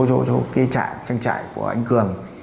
trong trang trại của anh cường